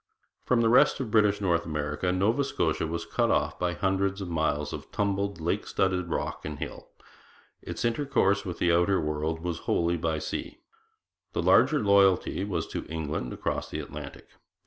From the rest of British North America Nova Scotia was cut off by hundreds of miles of tumbled, lake studded rock and hill. Its intercourse with the outer world was wholly by sea. The larger loyalty was to England across the Atlantic.